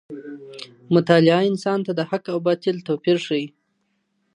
مطالعه انسان ته د حق او باطل توپیر ښيي.